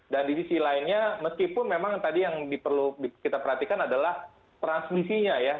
dan di visi lainnya meskipun memang tadi yang perlu kita perhatikan adalah transmisinya ya